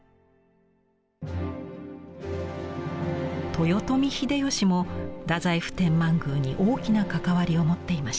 豊臣秀吉も太宰府天満宮に大きな関わりを持っていました。